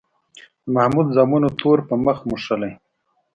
د محمود زامنو تور په مخ موښلی.